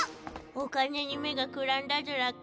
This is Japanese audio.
お金に目がくらんだずらか？